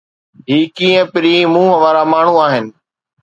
هي ڪيئن پرين منهن وارا ماڻهو آهن؟